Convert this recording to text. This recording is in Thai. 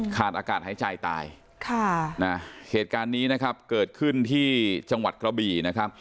ขาดอากาศหายใจตายเหตุการณ์นี้เกิดขึ้นที่จังหวัดกระบี